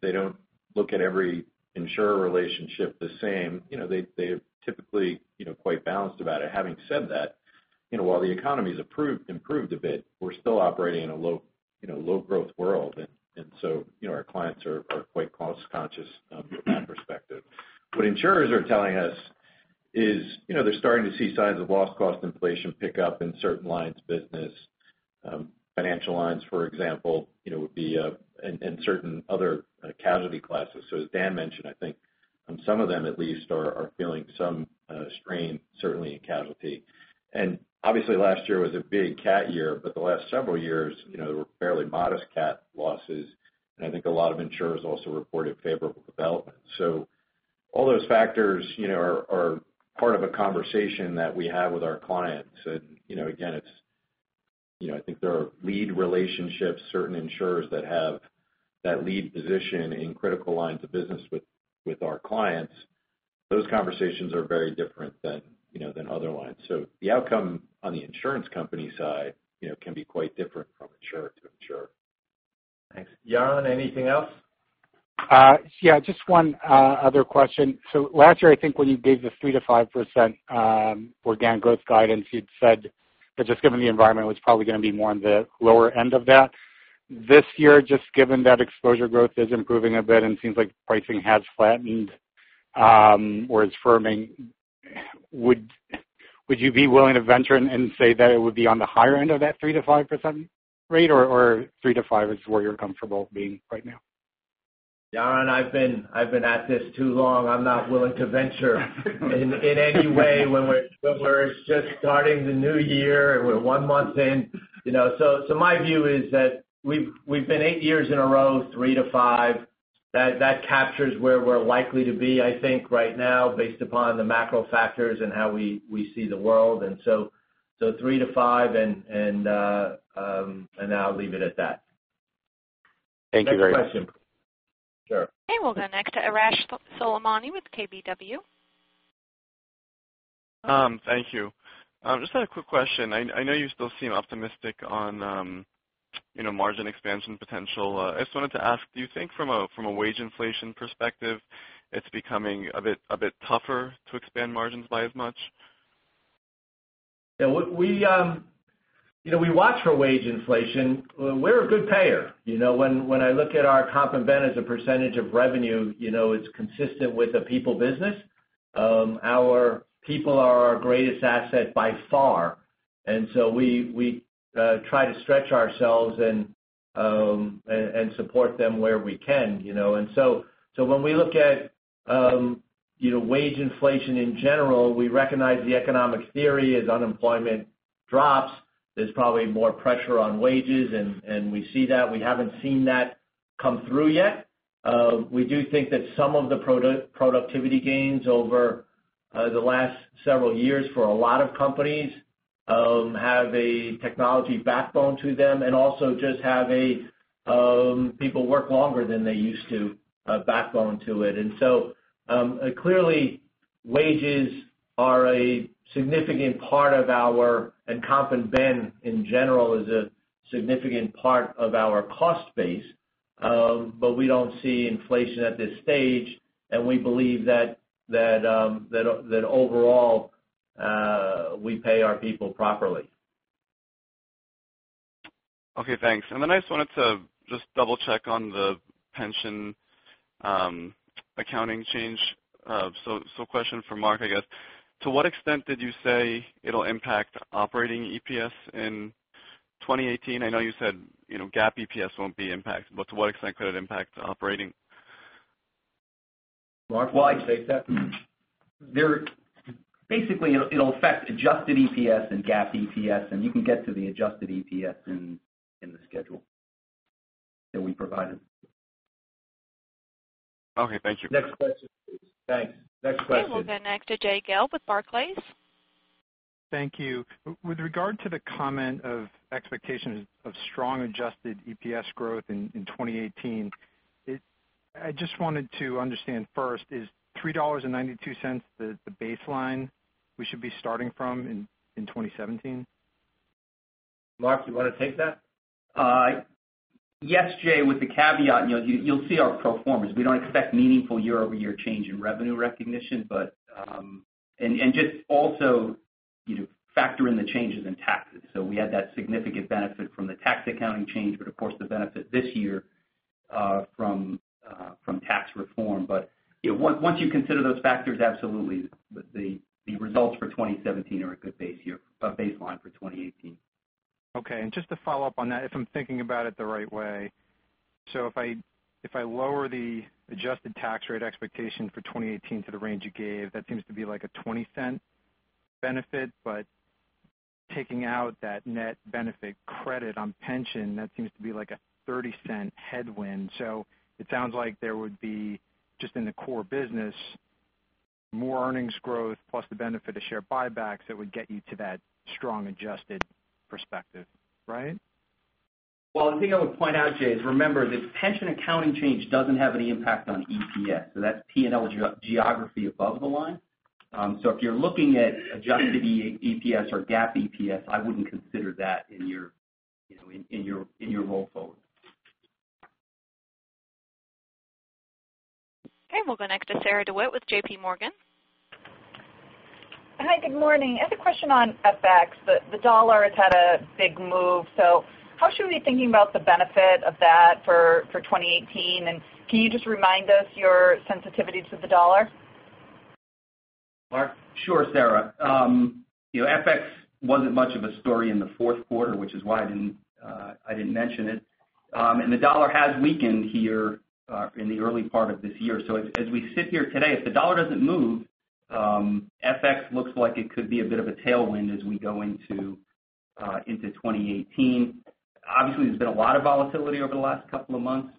they don't look at every insurer relationship the same, they're typically quite balanced about it. Having said that, while the economy's improved a bit, we're still operating in a low growth world. Our clients are quite cost-conscious from that perspective. What insurers are telling us is, they're starting to see signs of loss cost inflation pick up in certain lines of business. Financial lines, for example, would be, and certain other casualty classes. As Dan mentioned, I think some of them at least are feeling some strain, certainly in casualty. Obviously last year was a big cat year, but the last several years there were fairly modest cat losses, and I think a lot of insurers also reported favorable developments. All those factors are part of a conversation that we have with our clients. Again, I think there are lead relationships, certain insurers that have that lead position in critical lines of business with our clients. Those conversations are very different than other lines. The outcome on the insurance company side can be quite different from insurer to insurer. Thanks. Yaron, anything else? Just one other question. Last year, I think when you gave the 3%-5% organic growth guidance, you'd said that just given the environment, it was probably going to be more on the lower end of that. This year, just given that exposure growth is improving a bit and seems like pricing has flattened or is firming, would you be willing to venture and say that it would be on the higher end of that 3%-5% rate, or 3%-5% is where you're comfortable being right now? Yaron, I've been at this too long. I'm not willing to venture in any way when we're just starting the new year and we're one month in. My view is that we've been eight years in a row, 3%-5%. That captures where we're likely to be, I think, right now based upon the macro factors and how we see the world. 3%-5%, and I'll leave it at that. Thank you very much. Next question. Sure. Okay, we'll go next to Arash Soleimani with KBW. Thank you. Just had a quick question. I know you still seem optimistic on margin expansion potential. I just wanted to ask, do you think from a wage inflation perspective, it's becoming a bit tougher to expand margins by as much? Yeah. We watch for wage inflation. We're a good payer. When I look at our comp and benefit percentage of revenue, it's consistent with a people business. Our people are our greatest asset by far, so we try to stretch ourselves and support them where we can. When we look at wage inflation in general, we recognize the economic theory. As unemployment drops, there's probably more pressure on wages, and we see that. We haven't seen that come through yet. We do think that some of the productivity gains over the last several years for a lot of companies have a technology backbone to them and also just have a people work longer than they used to backbone to it. Clearly wages are a significant part of our-- and comp and ben in general is a significant part of our cost base. We don't see inflation at this stage, and we believe that overall, we pay our people properly. Okay, thanks. I just wanted to just double-check on the pension accounting change. Question for Mark, I guess. To what extent did you say it'll impact operating EPS in 2018? I know you said GAAP EPS won't be impacted, but to what extent could it impact operating? Mark, do you want to take that? It'll affect adjusted EPS and GAAP EPS, you can get to the adjusted EPS in the schedule that we provided. Thank you. Next question, please. Thanks. Next question. We'll go next to Jay Gelb with Barclays. Thank you. With regard to the comment of expectations of strong adjusted EPS growth in 2018, I just wanted to understand first, is $3.92 the baseline we should be starting from in 2017? Mark, you want to take that? Yes, Jay, with the caveat, you'll see our pro formas. We don't expect meaningful year-over-year change in revenue recognition, and just also factor in the changes in taxes. We had that significant benefit from the tax accounting change, but of course the benefit this year from tax reform. Once you consider those factors, absolutely. The results for 2017 are a good baseline for 2018. Okay. Just to follow up on that, if I'm thinking about it the right way. If I lower the adjusted tax rate expectation for 2018 to the range you gave, that seems to be like a $0.20 benefit, but taking out that net benefit credit on pension, that seems to be like a $0.30 headwind. It sounds like there would be, just in the core business, more earnings growth plus the benefit of share buybacks that would get you to that strong adjusted perspective, right? Well, the thing I would point out, Jay, is remember, this pension accounting change doesn't have any impact on EPS. That's P&L geography above the line. If you're looking at adjusted EPS or GAAP EPS, I wouldn't consider that in your roll forward. Okay. We'll go next to Sarah DeWitt with J.P. Morgan. Hi, good morning. I have a question on FX. The dollar has had a big move. How should we be thinking about the benefit of that for 2018? Can you just remind us your sensitivity to the dollar? Mark? Sure, Sarah. FX wasn't much of a story in the fourth quarter, which is why I didn't mention it. The dollar has weakened here in the early part of this year. As we sit here today, if the dollar doesn't move, FX looks like it could be a bit of a tailwind as we go into 2018. Obviously, there's been a lot of volatility over the last couple of months.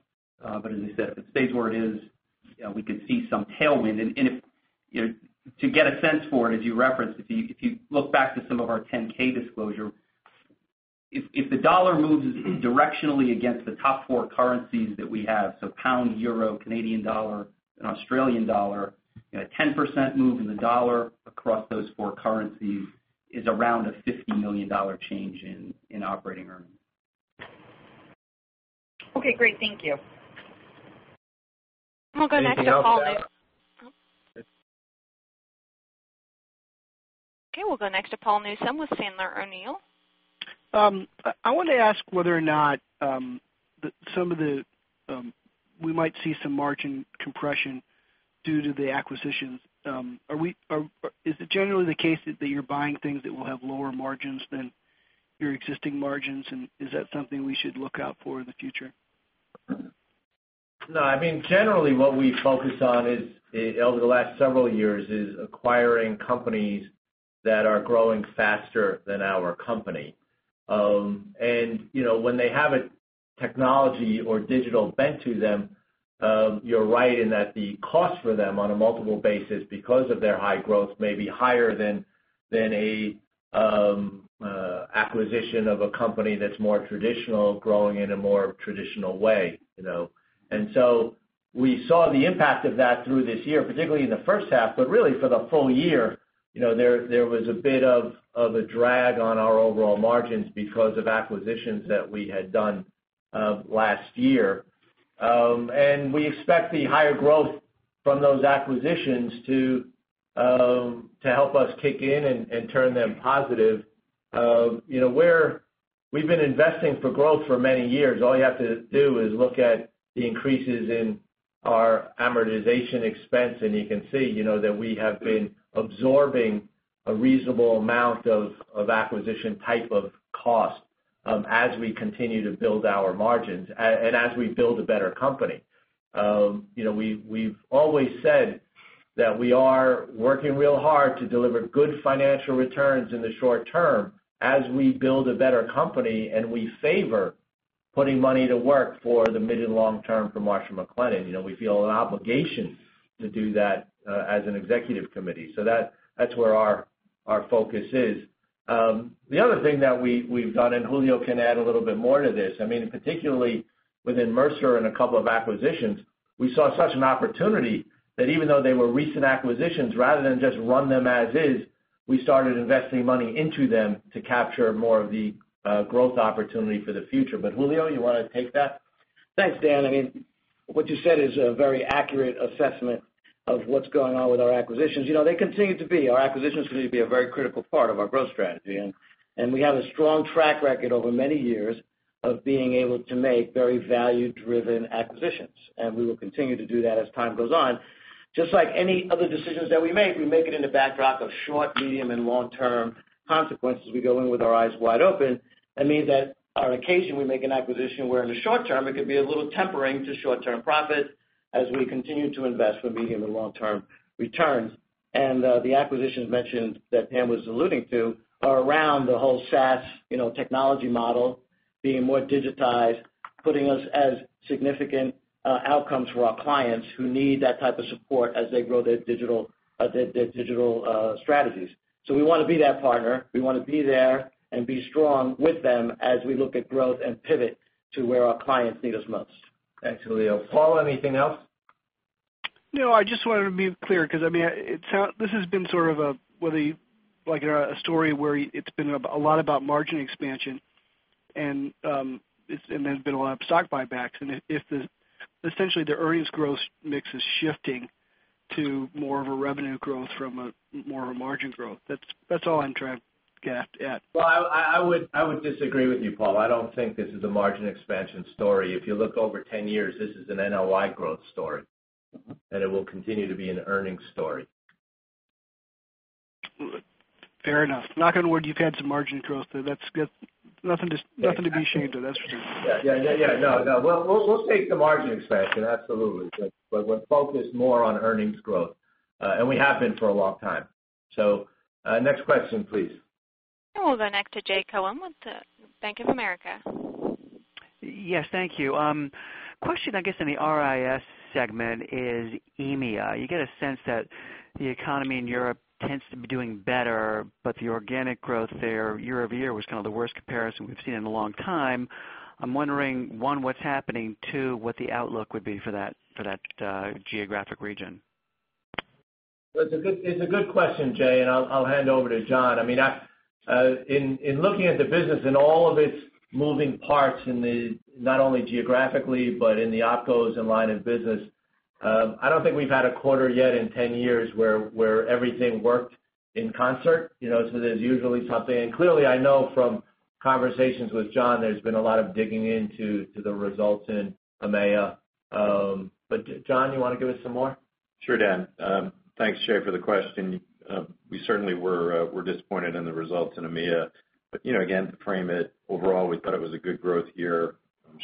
As I said, if it stays where it is, we could see some tailwind. To get a sense for it, as you referenced, if you look back to some of our 10-K disclosure, if the dollar moves directionally against the top four currencies that we have, pound, euro, Canadian dollar, and Australian dollar, a 10% move in the dollar across those four currencies is around a $50 million change in operating earnings. Okay, great. Thank you. We'll go next to Paul New- Anything to help? Okay, we'll go next to Paul Newsome with Sandler O'Neill. I wanted to ask whether or not we might see some margin compression due to the acquisitions. Is it generally the case that you're buying things that will have lower margins than your existing margins, and is that something we should look out for in the future? No. Generally, what we focus on over the last several years is acquiring companies that are growing faster than our company. When they have a technology or digital bent to them, you're right in that the cost for them on a multiple basis, because of their high growth, may be higher than a acquisition of a company that's more traditional, growing in a more traditional way. We saw the impact of that through this year, particularly in the first half, but really for the full year. There was a bit of a drag on our overall margins because of acquisitions that we had done last year. We expect the higher growth from those acquisitions to help us kick in and turn them positive. We've been investing for growth for many years. All you have to do is look at the increases in our amortization expense, you can see that we have been absorbing a reasonable amount of acquisition type of cost as we continue to build our margins. As we build a better company, we've always said that we are working real hard to deliver good financial returns in the short term as we build a better company, and we favor putting money to work for the mid and long term for Marsh & McLennan. We feel an obligation to do that as an executive committee. That's where our focus is. The other thing that we've done, Julio can add a little bit more to this, particularly within Mercer and a couple of acquisitions, we saw such an opportunity that even though they were recent acquisitions, rather than just run them as is, we started investing money into them to capture more of the growth opportunity for the future. Julio, you want to take that? Thanks, Dan. What you said is a very accurate assessment of what's going on with our acquisitions. Our acquisitions continue to be a very critical part of our growth strategy, and we have a strong track record over many years of being able to make very value-driven acquisitions. We will continue to do that as time goes on. Just like any other decisions that we make, we make it in the backdrop of short, medium, and long-term consequences. We go in with our eyes wide open. That means that on occasion, we make an acquisition where in the short term, it could be a little tempering to short-term profit as we continue to invest for medium and long-term returns. The acquisitions mentioned that Dan was alluding to are around the whole SaaS technology model, being more digitized, putting us as significant outcomes for our clients who need that type of support as they grow their digital strategies. We want to be that partner. We want to be there and be strong with them as we look at growth and pivot to where our clients need us most. Thanks, Julio. Paul, anything else? No, I just wanted to be clear because this has been sort of a story where it's been a lot about margin expansion, and there's been a lot of stock buybacks. If essentially the earnings growth mix is shifting to more of a revenue growth from more of a margin growth. That's all I'm trying to get at. Well, I would disagree with you, Paul. I don't think this is a margin expansion story. If you look over 10 years, this is an NOI growth story, and it will continue to be an earnings story. Fair enough. Knock on wood, you've had some margin growth there. That's good. Nothing to be ashamed of, that's for sure. Yeah. No. We'll take the margin expansion, absolutely. We're focused more on earnings growth. We have been for a long time. Next question, please. We'll go next to Jay Cohen with Bank of America. Yes, thank you. Question, I guess, in the RIS segment is EMEA. You get a sense that the economy in Europe tends to be doing better, the organic growth there year-over-year was kind of the worst comparison we've seen in a long time. I'm wondering, one, what's happening, two, what the outlook would be for that geographic region? It's a good question, Jay, I'll hand over to John. In looking at the business in all of its moving parts in the, not only geographically, in the opcos and line of business, I don't think we've had a quarter yet in 10 years where everything worked in concert. There's usually something, clearly I know from conversations with John, there's been a lot of digging into the results in EMEA. John, you want to give us some more? Sure, Dan. Thanks, Jay, for the question. We certainly were disappointed in the results in EMEA. Again, to frame it, overall, we thought it was a good growth year.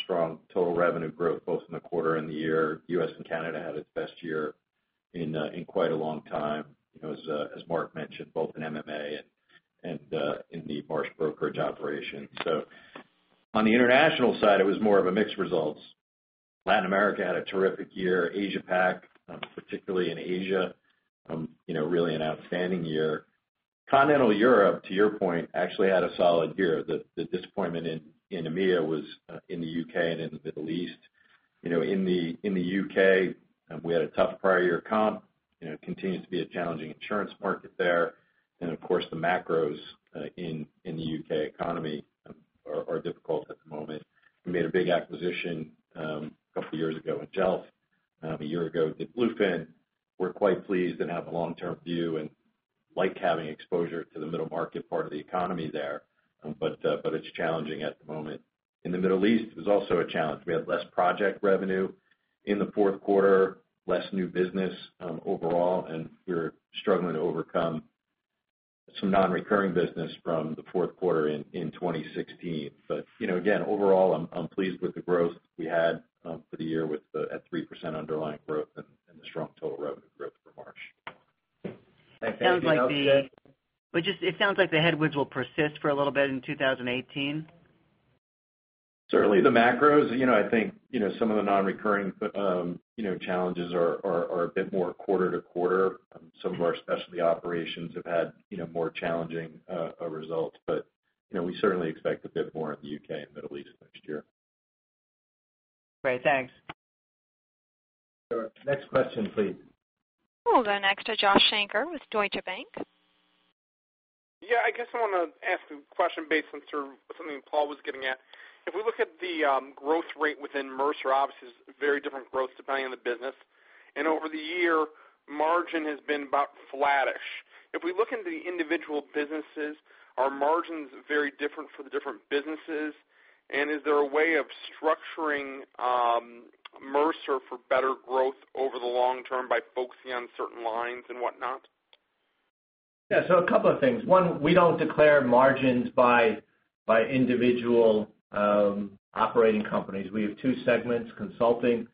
Strong total revenue growth both in the quarter and the year. U.S. and Canada had its best year in quite a long time. As Mark mentioned, both in MMA and in the Marsh brokerage operation. On the international side, it was more of a mixed results. Latin America had a terrific year. Asia Pac, particularly in Asia, really an outstanding year. Continental Europe, to your point, actually had a solid year. The disappointment in EMEA was in the U.K. and in the Middle East. In the U.K., we had a tough prior year comp. It continues to be a challenging insurance market there. Of course, the macros in the U.K. economy are difficult at the moment. We made a big acquisition a couple of years ago with Jelf, a year ago with Bluefin. We're quite pleased and have a long-term view, like having exposure to the middle market part of the economy there. It's challenging at the moment. In the Middle East, it was also a challenge. We had less project revenue in the fourth quarter, less new business overall, we're struggling to overcome some non-recurring business from the fourth quarter in 2016. Again, overall, I'm pleased with the growth we had for the year at 3% underlying growth and the strong total revenue growth for Marsh. Thanks. Anything else, Jay? It sounds like the headwinds will persist for a little bit in 2018? Certainly the macros. I think some of the non-recurring challenges are a bit more quarter to quarter. Some of our specialty operations have had more challenging results. We certainly expect a bit more in the U.K. and Middle East next year. Great. Thanks. Sure. Next question, please. We'll go next to Joshua Shanker with Deutsche Bank. Yeah, I guess I want to ask a question based on sort of something Paul was getting at. If we look at the growth rate within Mercer, obviously it's very different growth depending on the business. Over the year, margin has been about flattish. If we look into the individual businesses, are margins very different for the different businesses? Is there a way of structuring Mercer for better growth over the long term by focusing on certain lines and whatnot? Yeah. A couple of things. One, we don't declare margins by individual operating companies. We have two segments, consulting,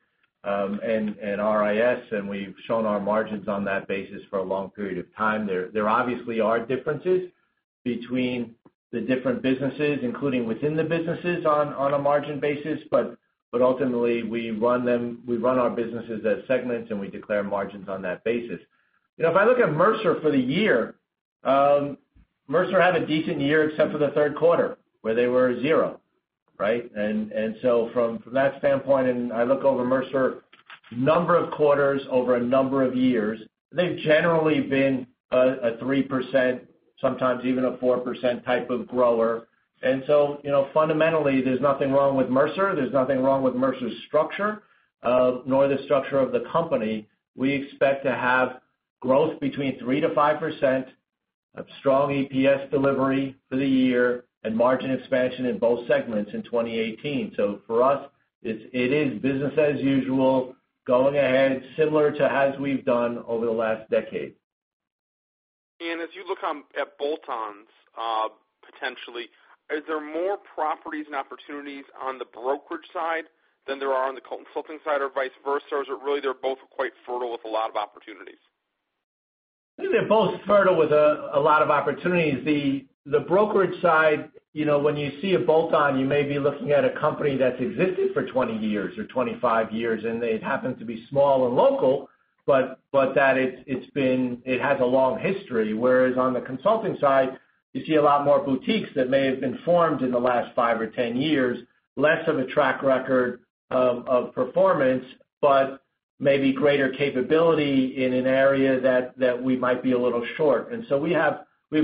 and RIS, and we've shown our margins on that basis for a long period of time. There obviously are differences between the different businesses, including within the businesses on a margin basis, but ultimately we run our businesses as segments, and we declare margins on that basis. If I look at Mercer for the year, Mercer had a decent year except for the third quarter, where they were 0. Right? From that standpoint, I look over Mercer, number of quarters over a number of years, they've generally been a 3%, sometimes even a 4% type of grower. Fundamentally, there's nothing wrong with Mercer. There's nothing wrong with Mercer's structure, nor the structure of the company. We expect to have growth between 3% to 5% of strong EPS delivery for the year, and margin expansion in both segments in 2018. For us, it is business as usual, going ahead similar to as we've done over the last decade. As you look at bolt-ons, potentially, is there more properties and opportunities on the brokerage side than there are on the consulting side or vice versa? Is it really they're both quite fertile with a lot of opportunities? I think they're both fertile with a lot of opportunities. The brokerage side, when you see a bolt-on, you may be looking at a company that's existed for 20 years or 25 years, and they happen to be small and local, but that it has a long history. Whereas on the consulting side, you see a lot more boutiques that may have been formed in the last five or 10 years, less of a track record of performance, but maybe greater capability in an area that we might be a little short. We have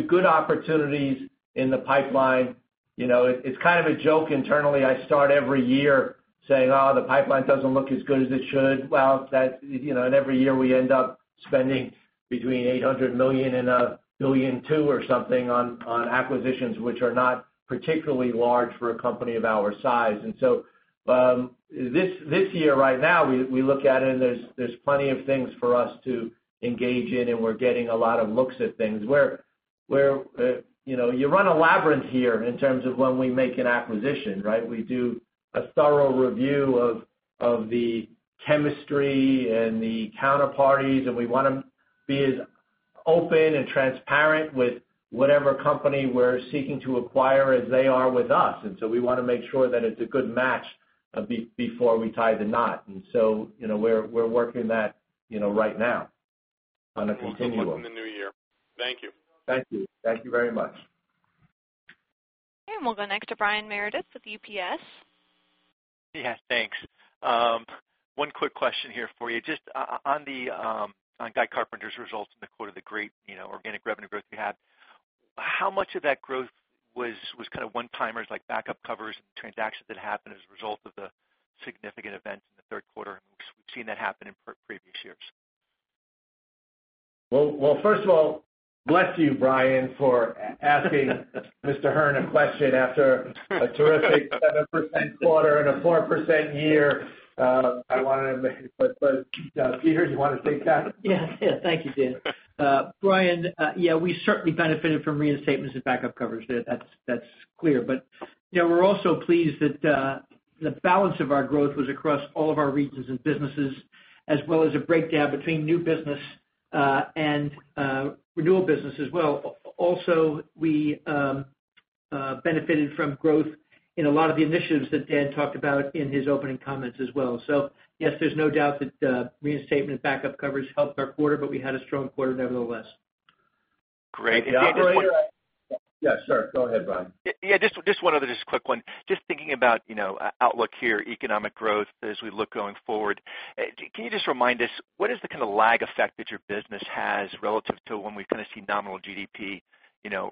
good opportunities in the pipeline. It's kind of a joke internally. I start every year saying, "Oh, the pipeline doesn't look as good as it should." Well, every year we end up spending between $800 million and $1.2 billion or something on acquisitions which are not particularly large for a company of our size. This year right now, we look at it and there's plenty of things for us to engage in, and we're getting a lot of looks at things. You run a labyrinth here in terms of when we make an acquisition, right? We do a thorough review of the chemistry and the counterparties, and we want to be as open and transparent with whatever company we're seeking to acquire as they are with us. We want to make sure that it's a good match before we tie the knot. We're working that right now on a continuum. We'll look for it in the new year. Thank you. Thank you. Thank you very much. We'll go next to Brian Meredith with UBS. Yeah, thanks. One quick question here for you. Just on Guy Carpenter's results and the quote of the great organic revenue growth we had, how much of that growth was kind of one-timers like backup covers and transactions that happened as a result of the significant events in the third quarter? We've seen that happen in previous years. First of all, bless you, Brian, for asking Mr. Hearn a question after a terrific 7% quarter and a 4% year. Peter, do you want to take that? Yes. Thank you, Dan. Brian, yeah, we certainly benefited from reinstatements and backup coverage. That's clear. We're also pleased that the balance of our growth was across all of our regions and businesses, as well as a breakdown between new business and renewal business as well. We benefited from growth in a lot of the initiatives that Dan talked about in his opening comments as well. Yes, there's no doubt that reinstatement and backup coverage helped our quarter, but we had a strong quarter nevertheless. Great. Dan, just one- Yeah, sure. Go ahead, Brian. Yeah, just one other just quick one. Just thinking about outlook here, economic growth as we look going forward. Can you just remind us, what is the kind of lag effect that your business has relative to when we kind of see nominal GDP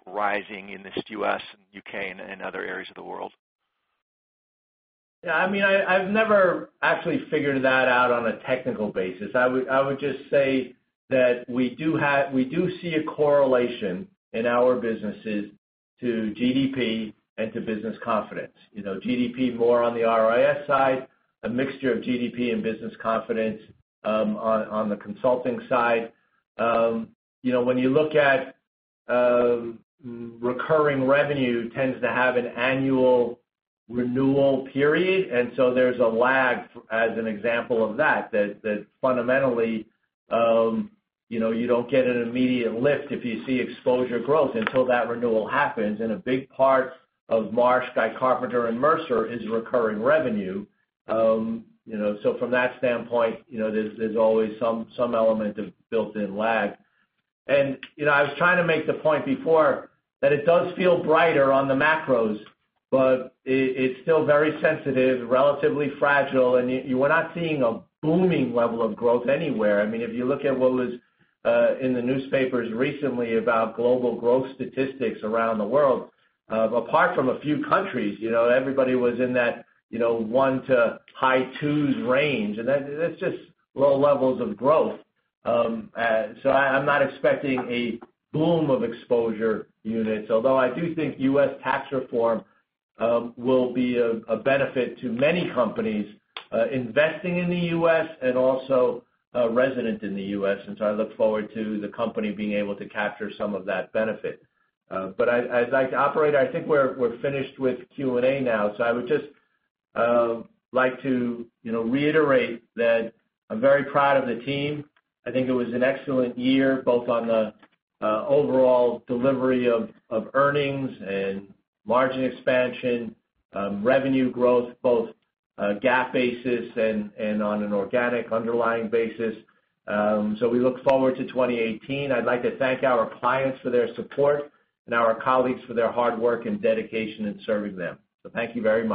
rising in the U.S., and U.K., and other areas of the world? Yeah, I've never actually figured that out on a technical basis. I would just say that we do see a correlation in our businesses to GDP and to business confidence. GDP more on the RIS side, a mixture of GDP and business confidence on the consulting side. When you look at recurring revenue tends to have an annual renewal period, there's a lag as an example of that fundamentally you don't get an immediate lift if you see exposure growth until that renewal happens. A big part of Marsh & McLennan, Guy Carpenter, and Mercer is recurring revenue. From that standpoint there's always some element of built-in lag. I was trying to make the point before that it does feel brighter on the macros, but it's still very sensitive, relatively fragile, and we're not seeing a booming level of growth anywhere. If you look at what was in the newspapers recently about global growth statistics around the world, apart from a few countries, everybody was in that one to high twos range, That's just low levels of growth. I'm not expecting a boom of exposure units, although I do think U.S. tax reform will be a benefit to many companies investing in the U.S. and also resident in the U.S., I look forward to the company being able to capture some of that benefit. I'd like to operate, I think we're finished with Q&A now. I would just like to reiterate that I'm very proud of the team. I think it was an excellent year both on the overall delivery of earnings and margin expansion, revenue growth, both GAAP basis and on an organic underlying basis. We look forward to 2018. I'd like to thank our clients for their support and our colleagues for their hard work and dedication in serving them. Thank you very much.